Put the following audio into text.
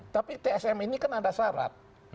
tapi tsm ini kan ada syarat